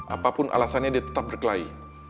apapun alasannya dia tetap berkelahi